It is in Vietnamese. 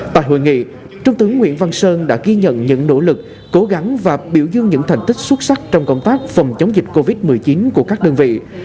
tại hội nghị trung tướng nguyễn văn sơn đã ghi nhận những nỗ lực cố gắng và biểu dương những thành tích xuất sắc trong công tác phòng chống dịch covid một mươi chín của các đơn vị